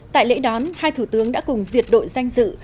tại lễ đón hai thủ tướng đã cùng duyệt đội danh dự